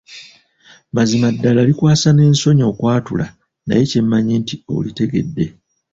Mazima ddala likwasa n'ensonyi okwatula naye kyemmanyi nti olitegedde.